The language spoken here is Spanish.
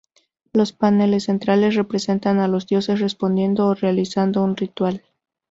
Los paneles centrales representan a los dioses respondiendo o realizando un ritual.